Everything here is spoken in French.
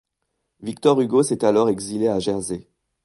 Victor Hugo s'est alors exilé à Jersey.